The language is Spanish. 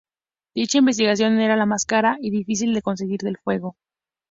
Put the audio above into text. Dicha investigación era la más cara y difícil de conseguir del juego.